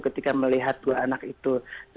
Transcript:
ketika melihat dua anak itu